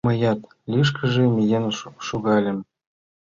Мыят лишкыже миен шогальым.